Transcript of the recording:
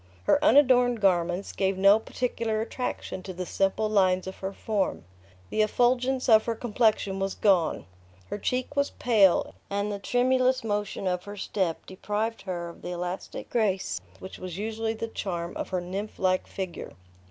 Her unadorned garments gave no particular attraction to the simple lines of her form; the effulgence of her complexion was gone; her cheek was pale, and the tremulous motion of her step deprived her of the elastic grace which was usually the charm of her nymph like figure.